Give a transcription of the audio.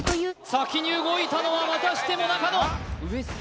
先に動いたのはまたしても中野上杉